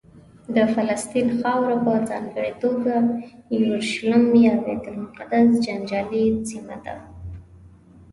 د فلسطین خاوره په ځانګړې توګه یورشلیم یا بیت المقدس جنجالي سیمه ده.